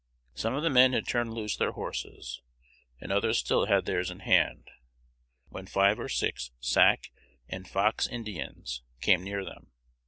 Some of the men had turned loose their horses, and others still had theirs in hand, when five or six Sac and Fox Indians came near them.